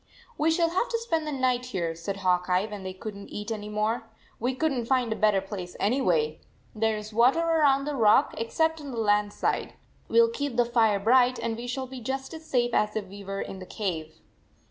" We shall have to spend the night here," said Hawk Eye, when they could n t eat any more. " We couldn t find a better place anyway. There is water around the rock except on the land side. We ll keep the fire bright, and we shall be just as safe as if we were in the cave."